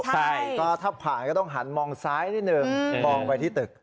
ใช่ก็ถ้าผ่านก็ต้องหันมองซ้ายนิดนึงมองไปที่ตึก